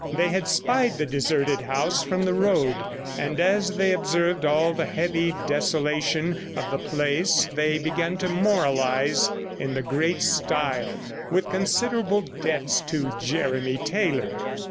They had spied the deserted house from the road, and as they observed all the heavy desolation of the place, they began to moralize in the great style, with considerable debts to Jeremy Taylor.